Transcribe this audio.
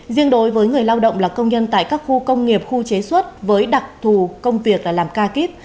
riêng đối với người lao động là công nhân tại các khu công nghiệp khu chế xuất với đặc thù công việc là làm ca kíp